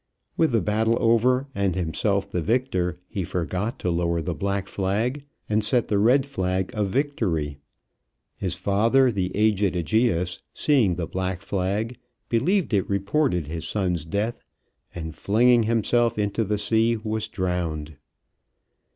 With the battle over and himself the victor, he forgot to lower the black flag and set the red flag of victory. His father, the aged Ægeus, seeing the black flag, believed it reported his son's death, and, flinging himself into the sea, was drowned.